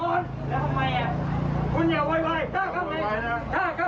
คุณต้องเห็นว่าข้างในมีเป็นอย่างไร